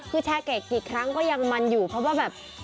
คือแชร์เกรดกี่ครั้งก็ยังมันอยู่เพราะว่าแบบ